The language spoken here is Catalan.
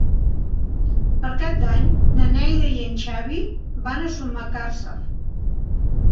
Per Cap d'Any na Neida i en Xavi van a Sumacàrcer.